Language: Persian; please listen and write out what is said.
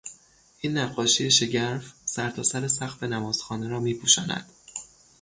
این نقاشی شگرف، سرتاسر سقف نمازخانه را می پوشاند.